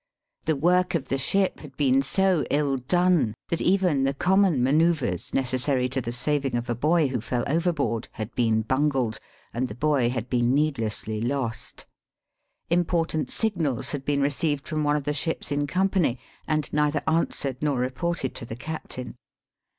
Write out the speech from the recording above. The work of the ship had been so ill done, that even the common manoeuvres necessary to the saving of a boy who fell overboard, had been bungled, and the boy had been needlessly lost. Important signals had been received from one of the ships in company, and neither answered nor reported to the captain.